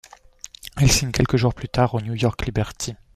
Elle signe quelques jours plus tard au New York Liberty.